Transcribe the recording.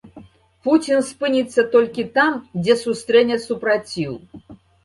Пуцін спыніцца толькі там, дзе сустрэне супраціў.